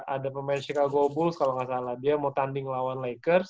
ada pemain chicago bulls kalo gak salah dia mau tanding lawan lakers